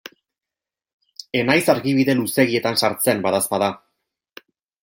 Ez naiz argibide luzeegietan sartzen, badaezpada.